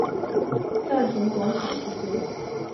战神广场之间。